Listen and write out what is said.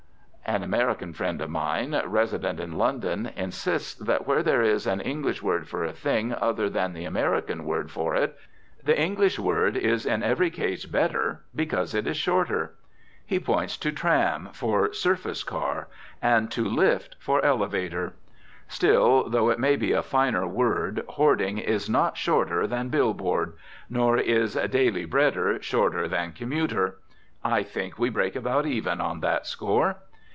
An American friend of mine, resident in London, insists that where there is an English word for a thing other than the American word for it, the English word is in every case better because it is shorter. He points to tram, for surface car; and to lift, for elevator. Still though it may be a finer word, hoarding is not shorter than billboard; nor is "dailybreader" shorter than commuter. I think we break about even on that score.